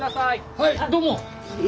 はい。